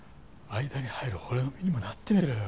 間に入る俺の身にもなってみろよ。